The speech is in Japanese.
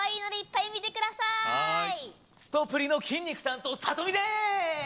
すとぷりの筋肉担当さとみです！